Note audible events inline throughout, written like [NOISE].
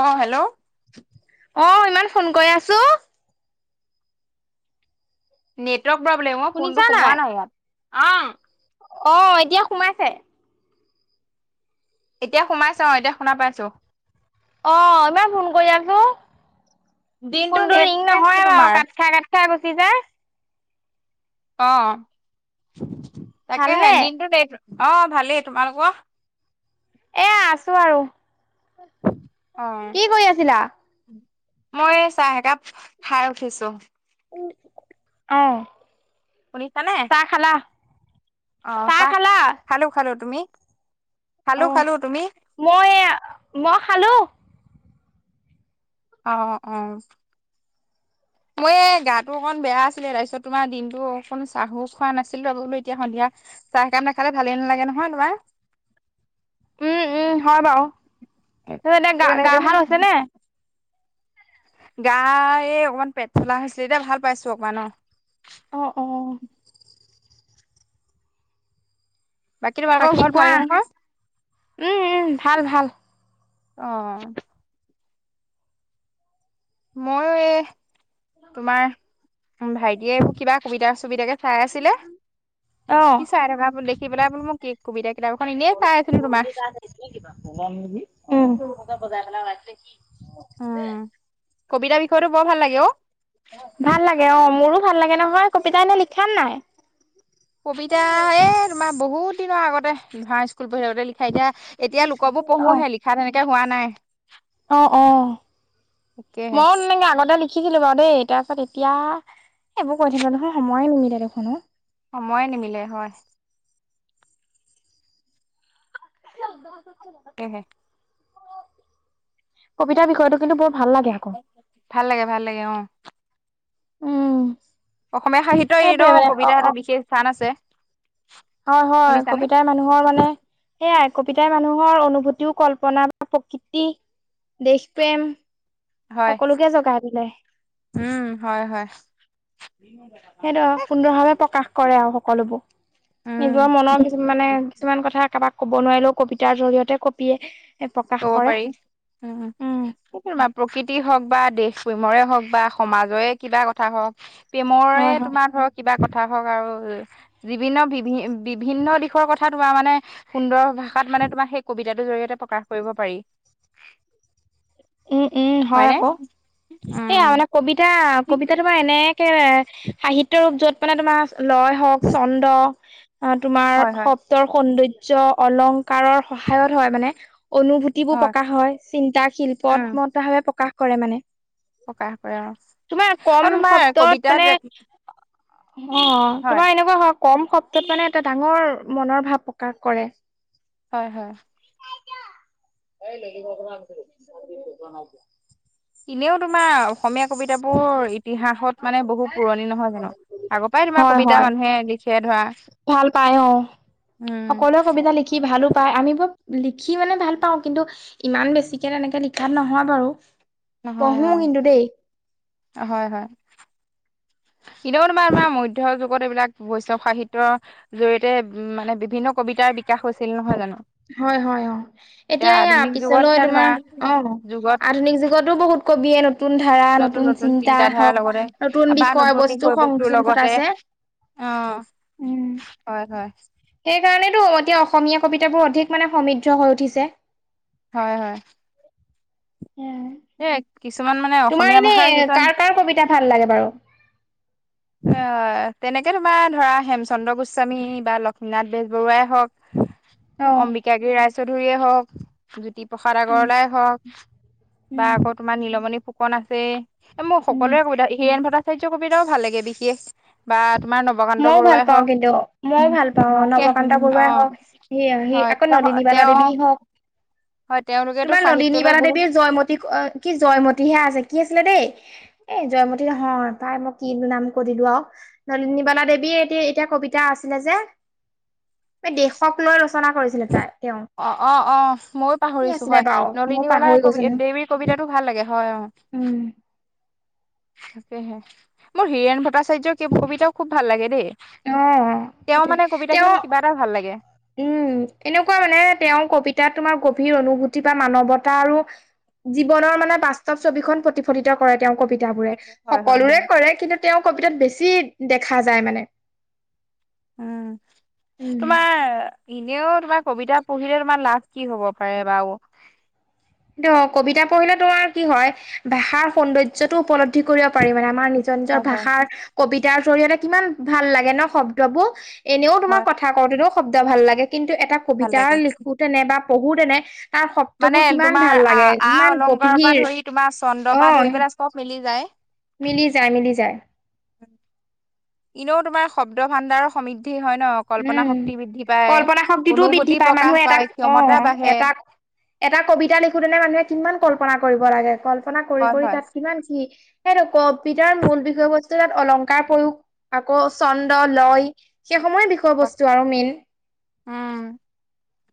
অ' hello? অঁ ইমান phone কৰি আছোঁ? নেটৱৰ্ক প্ৰব্লেম অ' ফোনটো সোমোৱা নাই ইয়াত অ'। অ' এতিয়া সোমাইছে। এতিয়া সোমাইছ অ' এতিয়া শুনা পাইছো। অ' ইমান ফোন কৰি আছো দিনটো ফোনটো ৰিং নেটৱৰ্কে নহয় নাই আৰু তোমাৰ কাট খাই কাট ই গুচি যায়। অ' তাকেহে ভালনে দিনটো দে অ' ভালেই, তোমালোকৰ? আছোঁ আৰু। অ' কি কৰি আছিলা মই চাহ একাপ খাই উঠিছোঁ। অহ' শুনিছানে চাহ খালা, চাহ খালা। খালোঁ খালোঁ, তুমি? অ খালোঁ খালোঁ, তুমি? মই এইয়া মই খালোঁ। অ' অ' মই এই গাটো অকণ বেয়া আছিলে। তাৰপিছত তোমাৰ দিনতো অকণ চাহ খোৱা নাছিলোঁ আৰু বোলো এতিয়া সন্ধিয়া চাহ কাপ নাখালে ভালে নালাগে নহয় তোমাৰ। উম, উম, হয় বাৰু তাৰপিছত ত এতিয়া গাওঁ গাওঁ খন আছে নে নাই? গা এই অকনমান পেট চলা হৈছিলে, এতিয়া ভাল পাইছোঁ অকণমান অ'। অ' অ' বাকী তোমালোকৰ ঘৰত ভাল নহয় উম উম ভাল ভাল অ' মইয়ো এ। তোমাৰ ভাইটিয়েৰ কিবা সুবিধা চুবিধাকে চাই আছিলে। অ কি চাই থকা দেখি পেলাই বো মই কেক কবিতা কিতাপ এনেই চাই আছিলোঁ তোমাৰ। কিবা নেকি উম, বজাৰ ফালে ওলাইছে নেকি? কবিতাৰ বিষয়তো বৰ ভাল লাগে অ' ভাল লাগে অ' মোৰো ভাল লাগে নহয়, কবিতা এনে লিখা নাই? কবিতা এ তোমাৰ বহুত দিনৰ আগতে স্কুল পঢ়ি আগতে লিখা এতিয়া এতিয়া লোকৰবোৰ অ পঢ়োহে লিখা তেনেকে হোৱা নাই। অ' অহ' তাকেহে মই মানে আগতে লিখিছিলোঁ বাৰু দেই তাৰ পাছত এতিয়া এইবোৰ কৰি থাকিবলৈ নহয় সময়ে নিমিলে দেখোনো। সময়ে নিমিলে হয়। [UNINTELLIGIBLE] এহেত কবিতাৰ বিষয়টো কিন্তু বৰ ভাল লাগে আকৌ ভাল লাগে ভাল লাগে অ'। উম। অসমীয়া সাহিত্যৰ এইটো সেইটোৱে মানে অ কবিতা এটা বিশেষ স্থান আছে। অ' হয় শুনিছানে? কবিতাৰ। মানুহৰ মানে সেই আই কবিতাই মানুহৰ অনুভূতিও কল্পনা বা প্ৰকৃতি দেশপ্ৰেম। হয় সকলোকে জগাই দিলে। উম, হয় হয় সেইটো সুন্দৰ ভাৱে প্ৰকাশ কৰে আৰু সকলোবোৰ। উম। নিজৰ মনৰ কিছু মানে কিছুমান কথা কাৰোবাক ক'ব নোৱাৰিলেও কবিতাৰ জৰিয়তে কবিয়ে। প্ৰকাশ ক'ব কৰে পাৰি উম, উম। বা প্ৰকৃতি হওঁক বা দেশ প্ৰেমৰে হওঁক বা সমাজৰে কিবা কথা হওঁক। প্ৰেমৰে হয় হয় তোমাৰ ধৰক কিবা কথা হওঁক আৰু বিভিন্ন বিভি বিভিন্ন দিশৰ কথা তোমাৰ মানে সুন্দৰ ভাষাত মানে তোমাৰ সেই কবিতাটোৰ জৰিয়তে প্ৰকাশ কৰিব পাৰি। উম, উম, হয় হয়নে আকৌ সেইয়া উম মানে কবিত এতিয়া কবিতা তোমাৰ এনেকে সাহিত্য ৰূপ য'ত মানে তোমাৰ। লয় হওঁক চন্দ তোমাৰ হয় হয় শব্দৰ সৌন্দৰ্য অলং কাৰৰ সহায়ত হয় মানে অনুভূতিবোৰ প্ৰকাশ হয় চিন্তা শিল্পত উম ভাৱে প্ৰকাশ কৰে মানে প্ৰকাশ কৰে আৰু তোমাৰ কম আৰু তোমাৰ শব্দত কবিতাত মানে অ' হয় তোমাৰ এনেকুৱা হওঁক। কম শব্দত মানে এটা ডাঙৰ মনৰ ভাৱ প্ৰকাশ কৰে। হয়, হয়। [UNINTELLIGIBLE] এনেও তোমাৰ অসমীয়া কবিতাবোৰ ইতিহাসত মানে বহু পুৰণি নহয় জানো? আগৰপৰাই তোমাৰ হয় কবিতা হয় মানুহে লিখে ধৰা। ভাল পাই অ'। উম সকলোৱে কবিতা লিখি ভালো পায়, আমিবো লিখি মানে ভাল পাওঁ কিন্তু ইমান বেছিকে তেনেকে লিখাত নহয় বাৰু। নহয় পঢ়ো কিন্তু দেই অ'। হয় হয়। ইনেও তোমাৰ মা মধ্য যুগত এইবিলাক বৈষ্ণৱ সাহিত্যৰ জৰিয়তে উ, মানে বিভিন্ন কবিতাৰ বিকাশ হৈছিল নহয় জানো? হয় হয় অ'। এতিয়া এয়া আধুনিক যুগত পিছলৈ এতিয়া ধৰা তোমাৰ অ' যুগত আধুনিক যুগতো বহুত কবিয়ে নোত নতুন ধাৰা, নতুন চিন্তা হওক, নতুন বা বিষয় বস্তু বিষয়বস্তুৰ সংযোজন লগতে ঘটাইছে। অ' উম হয় হয়। সেইকাৰণেতো এতিয়া অসমীয়া কবিতাবোৰ অধিক মানে সমৃদ্ধ হৈ উঠিছে। হয় হয়। এ, কিছুমান মানে তোমাৰ অসমীয়া এনে ভাষাৰ কিছুমান কাৰ কাৰ কবিতা ভাল লাগে বাৰু? এ, তেনেকে তোমাৰ ধৰা হেমচন্দ্ৰ গোস্বামী বা লক্ষ্মীনাথ বেজবৰুৱাই হওক [INAUDIBLE] অম্বিকাগিৰি ৰাইচৌধুৰীয়ে হওক জ্যোতিপ্ৰসাদ উম আগৰৱালাই হওক বা উম আকৌ তোমাৰ নীলমণি ফুকন আছে। এ, মোৰ উম সকলোৰে কবিতা, হীৰেণ ভট্টাচাৰ্যৰ কবিতাও ভাল লাগে বিশেষ বা তোমাৰ ন মইও ভাল পাও কিন্তু মইও ভাল পাওঁ, নৱকান্ত বৰুৱাই হওক অ সি হয় তেওঁ নলিনীবালা তেওঁ দেৱী হওক, হয় তেওঁলোকেতো তোমাৰ সাহিত্যলৈ নলিনীবালা বহুত দেৱীৰ জয়মতী কি জয়মতীহে আছে, কি আছিলে দেই এ, জয়মতী নহয়, পাই মই কি নাম কৈ দিলোঁ আৰু নলীনিবালাক দেৱীয়ে এতিয়া এতিয়া কবিতা আছিলে যে দেশক লৈ ৰচনা কৰিছিলে তাই তেওঁ। অ', অ', অ' ময়ো কি পাহৰিছো আছিলে হয়, বাৰু ময়ো নলিনীৱালাৰ পাহৰি ক গৈছো নহয় দেৱীৰ কবিতাটো ভাল লাগে হয় অ'। উম। তাকেহে। মোৰ হীৰেণ ভট্টাচাৰ্যৰ কবিতাও খুব ভাল লাগে দেই। অ তেওঁ সেইটোৱে মানে তেওঁ কবিতাখিনি মোক কিবা এটা ভাল লাগে। উম, এনেকুৱা মানে তেওঁৰ কবিতা, তোমাৰ গভীৰ অনুভূতি বা মানৱতা আৰু জীৱনৰ মানে বাস্তৱ ছবিখন প্ৰতিফলিত কৰে তেওঁৰ কবিতাবোৰে, হয় হয় সকলোৰে হয় কৰে কিন্তু তেওঁৰ কবিতাত বেছি দেখা যায় মানে। উম, উম, তোমাৰ এনেও তোমাৰ কবিতা পঢ়িলে তোমাৰ লাভ কি হব পাৰে বাৰু? কিন্ত কবিতা পঢ়িলে তোমাৰ কি হয়, ভাষাৰ সৌন্দৰ্যটো উপলব্ধি দি কৰিব পাৰি মানে আমাৰ নিজৰ নিজৰ হয় হয় ভাষাৰ কবিতাৰ জৰিয়তে কিমান ভাল লাগে ন' শব্দবোৰ? এনেও তোমাৰ হয় কথা কথা কওঁতেতো শব্দ ভাল লাগে কিন্তু এটা ভাল কবিতা লাগে লিখোতেনে বা পঢ়োতেনে তাৰ মানে শব্দবোৰ ইমান তোমাৰ ভাল আ লাগে আ ইমান অলংকাৰৰ পৰা গভীৰ। ধৰি তোমাৰ চন্দ্ৰৰ পৰা অ' ধৰি পেলাই চব মিলি যায় মিলি যায়। টাইমিলি যায়। এনেও তোমাৰ শব্দ ভাণ্ডাৰৰ সমৃদ্ধি হয় ন'। কল্পনা উম। শক্তি বৃদ্ধি পায়, কল্পনা শক্তিটোও বৃদ্ধি অনুভূতি পায় মানুহে প্ৰকাশ এটা পায়, অ ক্ষমতা বাঢ়ে। এটা এটা কবিতা লিখোতেনে মানুহে কিমান কল্পনা কৰিব লাগে, কল্পনা কৰি হয় কৰি হয় তাত কিমান কি সেইটো, কবিতাৰ মূল বিষয়বস্তু তাত অলংকাৰ প্ৰয়োগ আকৌ চন্দ লয়। সেইসমূই বিষয় বস্তু আৰু মেইন। উম,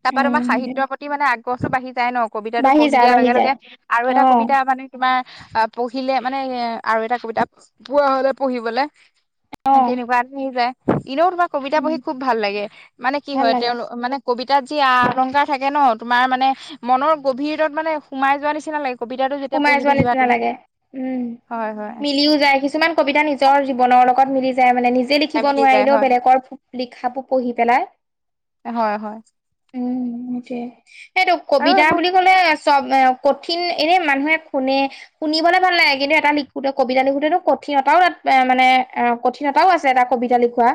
তাৰপা তোমাৰ উম সেইটোৱে সাহিত্যৰ প্ৰতি মানে আগ্ৰহটো বাঢ়ি যায় ন'। কবিতাটো বাঢ়ি পঢ়ি যায় দিয়াৰ বাঢ়ি লগে যায় লগে আৰু এটা অ কবিতা মানে তোমাৰ আ, পঢ়িলে মানে এ, আৰু এটা কবিতা পোৱা হ'লে পঢ়িবলে অ তেনেকুৱা আৰু আহি যায়, এনেও তুমাৰ কবিতা পঢ়ি উম খুব ভাল লাগে, মানে কি ভাল হয় লাগে তেওঁলোক মানে কবিতাত যি আ-অলংকাৰ থাকে নহ, তোমাৰ মানে মনৰ গভীৰত মানে সোমাই যোৱা নিচিনা লাগে। কবিতাটো যেতিয়া সোমাই পঢ়ি যোৱা থাকিবা নিচিনা তুমি লাগে, উম হয় হয় মিলিও যায়। কিছুমান কবিতা নিচনা নিজৰ জীৱনৰ লগত মিলি যায়, মানে নিজ লিখিব মিলি যায় নোৱাৰিলেও, হয় বেলেগৰ লিখাবোৰ পঢ়ি পেলাই হয় হয় উম, সেইটোয়ে এইটো আৰু কবিতা এইবোৰ বুলি ক'লে চব কঠিন এনে মানুহে শুনে শুনিবলৈ ভাল লাগে, কিন্তু এটা লিখোতে কবিতা লিখোতেটো কঠিন এটাও তাত এ মানে কঠিনতাও আছে এটা কবিতা লিখোৱা,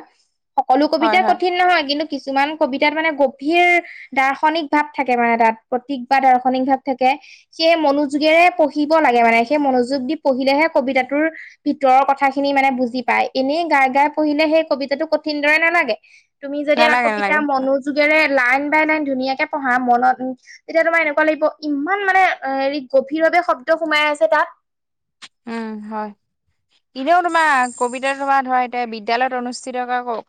সকলো হয় কবিতাই হয় কঠিন নহয় কিন্তু কিছুমান কবিতাত মানে গভীৰ দাৰ্শনিক ভাৱ থাকে মানে তাত, প্ৰতিক বা দাৰ্শনিক ভাৱ থাকে সেই মনো যোগেৰে পঢ়িব লাগে, মানে সেই মনোযোগ দি পঢ়িলেহে কবিতাটোৰ ভিতৰৰ কথা খিনি মানে বুজি পায়, এনেই গাই গাই পঢ়িলে সেই কবিতাটো কঠিন দৰে নালাগে। তুমি যদি এটা নালাগে কবিতা নালাগে মনোযোগেৰে লাইন বাই লাইন ধুনীয়াকে পঢ়া, মনত উ তেতিয়া তোমাৰ এনেকুৱা লাগিব, ইমান মানে হেৰি গভীৰভাৱে শব্দ সোমাই আছে তাত। উম, হয়। এনেও তোমাৰ কবিতা তোমাৰ ধৰা, এতিয়া বিদ্যয়ালয়ত অনুষ্ঠিত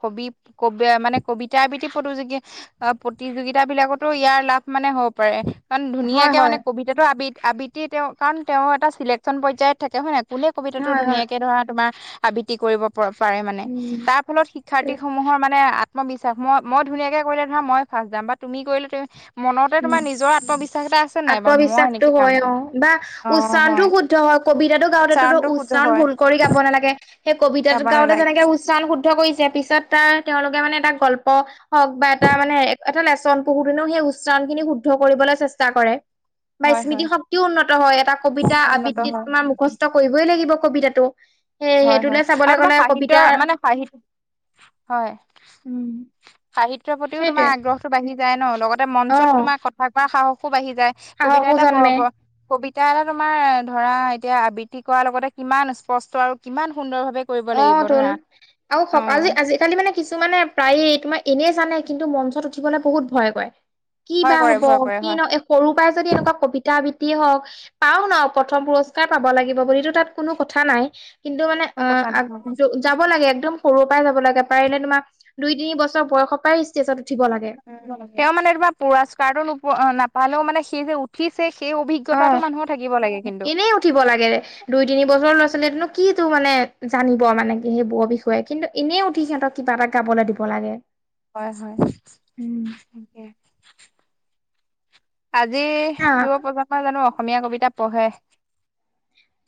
কবি কবি মানে কবিতা আবৃতি প্ৰতিযোগী অ', প্ৰতিযোগিতা বিলাকতো ইয়াৰ লাভ মানে হ'ব পাৰে। কাৰণ হয় ধুনীয়াকে হয় মানে কবিতাটো আব-আবৃতি তেওঁ, কাৰণ তেওঁৰ এটা চিলেকশ্যন পৰ্যায়ত থাকে হয় নহ। কোনে কবিতাটো হয় হয় ধুনীয়াকে ধৰা, তোমাৰ আবৃত্তি কৰিব। পাৰে মানে, উম তাৰ ফলত শিক্ষাৰ্থী সমূহৰ মানে আত্মবিশ্বাস, মই মই ধুনীয়াকে কৰিলে ধৰা মই ফাৰ্ষ্ট যাম বা তুমি কৰিলে মনতে উম তোমাৰ নিজৰ আত্মবিশ্বাস এটা আছে নাই, বা মই আত্মবিশ্বাসটো এনেকে কাম হয় অ বা অ' উচ্চাৰণটো হয়। শুদ্ধ হয়, কবিতাটো গাওঁতেটো উচ্চাৰণটো শুদ্ধ উচ্চাৰণ হয় ভুল কৰি গাব নালাগে, সেই কবিতা গাব গাওঁতে নালাগে যেনেকে উচ্চাৰণ শুদ্ধ কৰিছে, পিছত তাৰ তেওঁলোকে মানে এটা গল্প হওক বা এটা মানে এটা লেচন বহুদিনেও সেই উচ্চাৰণ খিনি শুদ্ধ কৰিবলৈ চেষ্টা কৰে। বা হয় স্মৃতি হয় শক্তিও উন্নত হয়, এটা কবিতা উন্নত আবৃত্তিত হয় তোমাৰ মুখস্থ কৰিবই লাগিব কবিতাটো। সেই হয়, সেইটোলে হয়, চাবলৈ আৰু তোমাৰ গ'লে সাহিত্য কবিতাৰ মানে সাহিত হয় উম সাহিত্যৰ প্ৰতিও তোমাৰ সেইটোৱে আগ্ৰহটো বাঢ়ি যায় নহ, লগতে অ মঞ্চত তোমাৰ কথা কোৱা সাহসো বাঢ়ি যায়। কবিতা সাহসো এটা জন্মে প কবিতা এটা তোমাৰ ধৰা, এতিয়া আবৃত্তি কৰাৰ লগতে কিমান স্পষ্ট আৰু কিমান সুন্দৰ ভাৱে কৰিব লাগিব অ', তুন ধৰা আৰু অ সকালি আজি আজি কালি মানে কিছুমানে প্ৰায়ে এনেই জানে, কিন্তু মঞ্চত উঠিবলৈ বহুত ভয় কৰে। কি ভয় বা কৰে হ'ব, ভয় কৰে কি হয় ন সৰু পৰাই যদি এনেকুৱা কবিতা আবৃত্তি হওঁক পাও নাও, প্ৰথম পুৰস্কাৰ পাব লাগিব বুলিটো তাত কোনো কথা নাই। কিন্তু মানে কোনো কথা নাই অ', যাব লাগে একদম সৰুৰ পৰাই যাব লাগে, পাৰিলে তোমাক দুই তিনি বছৰ বয়সৰ পৰাই ষ্টেজত উঠিব লাগে। তেওঁ মানে তোমাৰ পুৰস্কাৰটো নপ-নাপালেও মানে সেই যে উঠিছে, সেই অ অভিজ্ঞতাটো মানুহৰ থাকিব লাগে কিন্তু। এনেই উঠিব লাগে। দুই তিনি বছৰ ল'ৰা-ছোৱালীনো কি তো মানে জানিব মানে, কি সেইবোৰৰ বিষয়ে কিন্তু এনেই উঠি সিহঁতক কিবা এটা গাবলৈ দিব লাগে। হয়, উম হয়। আজি আহ যুৱ প্ৰজন্মই জানো অসমীয়া কবিতা পঢ়ে?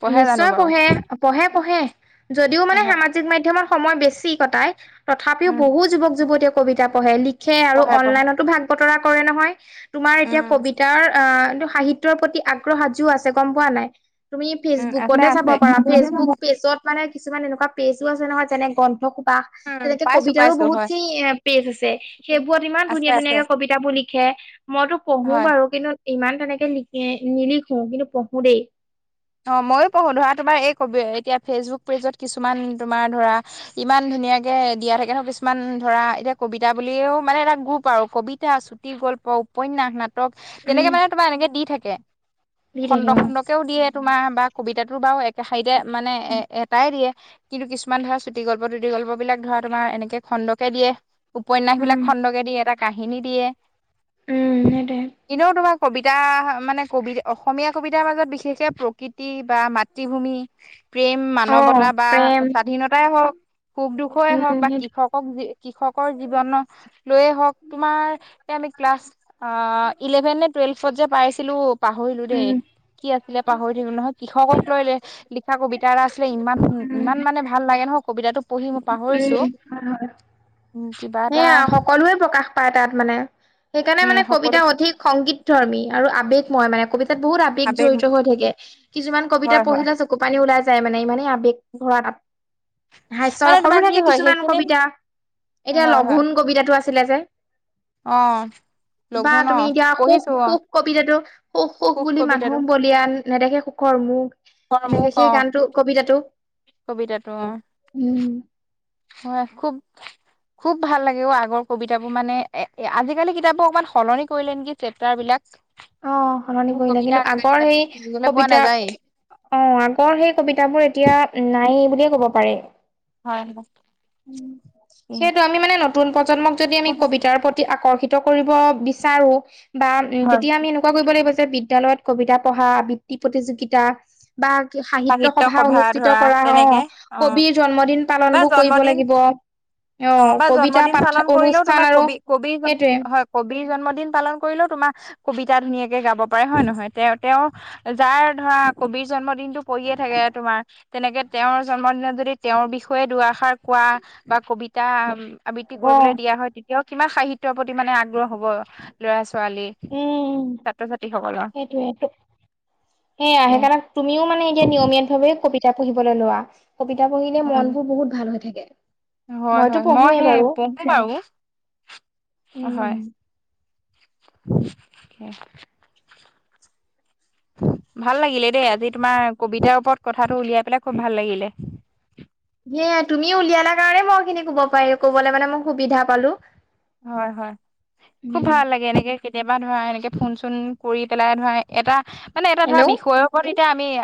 পঢ়ে জানো নিশ্চয় বাৰু? পঢ়ে, পঢ়ে-পঢ়ে যদিও মানে হয়। সামা মাধ্যমত সময় বেছি কটাই, তথাপিও উম, বহু যুৱক যুৱতীয়ে কবিতা পঢ়ে লি লিখে আৰু পঢ়ে পঢ়ে। অনলাইনতো ভাগ বতৰা কৰে নহয়, তোমাৰ উম, এতিয়া কবিতাৰ আহ সাহিত সাহিত্যৰ প্ৰতি আগ্ৰহ সাজু আছে গম পোৱা নাই, তুমি উম, আছে ফেচবুকতে চাব আছে। পাৰা ফেচবুক পেজত মানে কিছুমান এনেকুৱা পেজো আছে নহয়, যেনে [UNINTELLIGIBLE] কোবা। উম, তেনেকে পাইছো কবিতাৰো পাইছো হয়। বহুতখিনি এ পেজ আছে। সেইবোৰত ইমান আছে ধুনীয়া আছে ধুনীয়াকে কবিতাবোৰ লিখে, মইতো পঢ়ো হয়। বাৰু। কিন্তু ইমান তেনেকে লিখি নিলিখো কিন্তু পঢ়ো দেই। অ' মইয়ো পঢ়ো, ধৰা তোমাৰ এই কবি এতিয়া ফেচবুক পেজত কিছুমান তোমাৰ ধৰা ইমান ধুনীয়াকে দিয়া থাকে ন, কিছুমান ধৰা এতিয়া কবিতা বুলিও মানে এটা গ্ৰুপ আৰু কবিতা আছো গল্প, উপন্যাস, নাট তেনেকে উম মানে তোমাৰ এনেকে দি থাকে, দি খণ্ড থাকে অ খণ্ডকেও' দিয়ে। তোমাৰ বা কবিতা বাৰু একে শাৰীতে মানে এ উম এটাই দিয়ে। কিন্তু কিছুমান ধৰা চুটি গল্প টুটি গল্প বিলাক ধৰা তোমাৰ এনেকে খণ্ডকে দিয়ে। উপন্যাসবিলাক খণ্ডকে দি এটা কাহিনী দিয়ে। উম সেইটোৱে। এনেও তোমাৰ কবিতা মানে কবিত অসমীয়া কবিতাৰ মাজত বিশেষকে প্ৰকৃতি বা মাতৃভূমি প্ৰেম অ মানৱতা বা প্ৰেম স্বাধীনতাই হওঁক সুখ দুখেই উম হওঁক বা সেইটো কৃষক কৃষকৰ জীৱনক লৈয়ে হওঁক তোমাৰ এ আমি ক্লাছ অ' ইলেভেন নে টুৱেল্ভ যে পাইছিলো পাহৰিলো দেই উম কি আছিলে। পাহৰি থাকিলো নহয়, কৃষকক লৈলে লিখা কবিতা এটা আছিলে ইমান উম উম ইমান মানে ভাল লাগে নহয়, কবিতাটো পঢ়ি মই হয়, পাহৰিছোঁ। হয়। সেয়া সকলোৱে প্ৰকাশ পায় তাত মানে, সেইকাৰণে উম মানে সকলো কবিতা অধিক সংগীত ধৰ্মী আৰু আৱেগময় মানে, কবিতাত বহুত আৱেগ বেগ আবেগ জৰিত হৈ থাকে, কিছুমান কবিতা হয় হয় পঢ়িলে চক কুপানী ওলাই যায় মানে ইমানেই আৱেগ ভৰা তাত, মানে তোমাৰ হাস্যৰসৰো কি থাকে হয় কিছুমান সেইখিনি কবিতা। এতিয়া হয় হয় লঘোণ কবিতাটো আছিলে যে অ বা লঘু ন তুমি এতিয়া সুখ পঢ়িছো অ সুখ কবিতাটো সুখ সুখ বুলি মানুহ বলিয়ান নেদেখে সুখৰ মুখ এনেকে মোক অ সেই গানটো কবিতাটো কবিতাটো অ'। উম'। হয়। খুব খুব ভাল লাগে অ' আগৰ কবিতাবোৰ, মানে এ আজিকালি কিতাপ বোৰ অকমান সলনি কৰিলে নেকি? চেপ্টাৰবিলাক। অ', সলনি কৰিলে, কিন্তু আগৰ সেই পঢ়িবলৈ পোৱা কবিতা নাযায়েই অ', আগৰ সেই কবিতা বোৰ এতিয়া নাই বুলিয়ে ক'ব পাৰে। হয়। সেইটো আমি মানে নতুন প্ৰজন্মক যদি আমি কবিতাৰ প্ৰতি আকৰ্ষিত কৰিব বিচাৰো বা উম হয় তেতিয়া আমি এনেকুৱা কৰিব লাগিব, যে বিদ্যয়ালয়ত কবিতা পঢ়া আবৃত্তি প্ৰতিযোগিতা বা সাহিত্য সভা অনুষ্ঠিত কৰা অ' কবিৰ জন্মদিন বা পালনবোৰ জন্মদিন অ' [UNINTELLIGIBLE] অ', বা কবিতা জন্মদিন পাঠ পালন কৰিলেও অনুষ্ঠান তোমাৰ আৰু কবি কবি সেইটোৱে। হয়। কবিৰ জন্মদিন পালন কৰিলেও তোমাৰ কবিতা ধুনীয়াকে গাব পাৰে হয় নহয়? তেওঁ তেওঁ যাৰ ধৰা কবিৰ জন্মদিনতটো পৰিয়ে থাকে তোমাৰ তেনেকে তেওঁৰ জন্মদিনত যদি তেওঁৰ বিষয়ে দুআষাৰ কোৱা বা কবিতা আবৃত্তি কৰিবলৈ অ'। দিয়া হয়। তেতিয়াও কিমান সাহিত্যৰ প্ৰতি মানে আগ্ৰহ হ'ব ল'ৰা ছোৱালীৰ। উম সেইটোৱেটো, সেই আহে কাৰণে তুমিও মানে এতিয়া নিয়মীয়াত ভাৱে কবিতা পঢ়িবলৈ লোৱা। কবিতা পঢ়িলে মনবোৰ বহুত ভাল হৈ থাকে, হয় হয় মইতো মই পঢ়োৱেই সেই বাৰু। পঢ়ো বাৰু উম। হয়। ভাল লাগিলে দেই আজি তোমাৰ কবিতাৰ ওপৰত কথাটো উলিয়াই পেলাই খুব ভাল লাগিলে। এ তুমি উলিয়ালা কাৰণে মইখিনি কব পাৰি কবলৈ মানে মই সুবিধা পালো। হয় হয়, খুব উম, ভাল লাগে, এনেকে কেতিয়াবা ধৰা, এনেকে ফোন চোন কৰি পেলাই ধৰা এটা, মানে এটা ধৰা হেল্ল'। বিষয়ৰ ওপৰত এতিয়া আমি